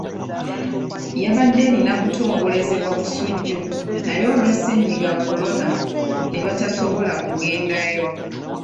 Yabadde erina kutongolezebwa Busujju naye olwa ssennyiga Corona ne batasobola kugendayo.